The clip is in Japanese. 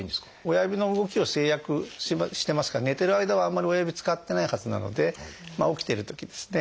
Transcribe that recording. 親指の動きを制約してますから寝てる間はあんまり親指使ってないはずなので起きているときですね。